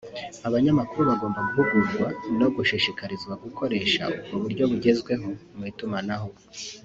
Abanyamakuru bagomba guhugurwa no gushishikarizwa gukoresha ubwo buryo bugezweho mu itumanaho